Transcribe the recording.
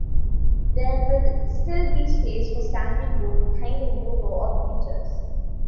There will still be space for standing room behind the new row of bleachers.